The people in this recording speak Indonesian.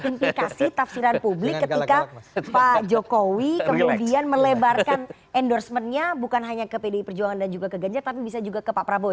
implikasi tafsiran publik ketika pak jokowi kemudian melebarkan endorsementnya bukan hanya ke pdi perjuangan dan juga ke ganjar tapi bisa juga ke pak prabowo